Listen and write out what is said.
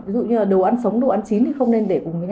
ví dụ như là đồ ăn sống đồ ăn chín thì không nên